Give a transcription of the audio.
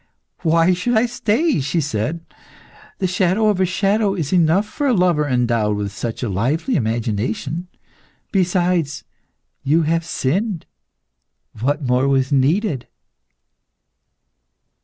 "Why should I stay?" she said. "The shadow of a shadow is enough for a lover endowed with such a lively imagination. Besides, you have sinned. What more was needed?"